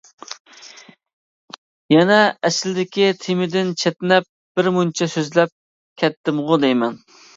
يەنە ئەسلىدىكى تېمىدىن چەتنەپ بىرمۇنچە سۆزلەپ كەتتىمغۇ دەيمەن.